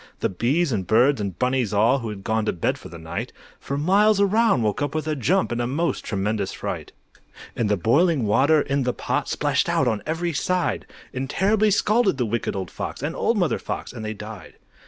The bees and birds and bunnies all, Who had gone to bed for the night, For miles around, woke up with a jump In a most tremendous fright. And the boiling water in the pot Splashed out on every side, And terribly scalded the Wicked Old Fox, And Old Mother Fox, and they died.